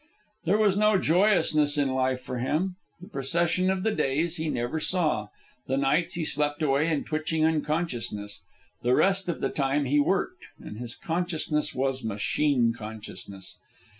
There was no joyousness in life for him. The procession of the days he never saw. The nights he slept away in twitching unconsciousness. The rest of the time he worked, and his consciousness was machine consciousness.